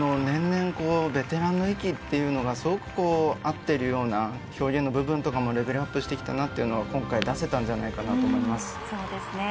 年々ベテランの域というのがすごく合っているような表現の部分とかもレベルアップしてきたなというのが今回出せたと思います。